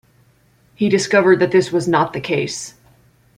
He discovered that this was not the case.